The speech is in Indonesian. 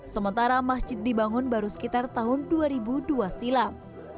sementara masjid dibangun baru sekitar tahun dua ribu dua silam